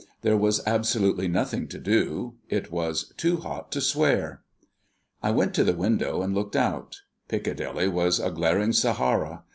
There was absolutely nothing to do. It was too hot to swear. I went to the window and looked out. Piccadilly was a glaring Sahara.